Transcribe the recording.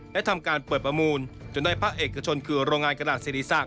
ทำการเปิดประมูลจนได้ภาคเอกชนคือโรงงานกระดาษศิริศักดิ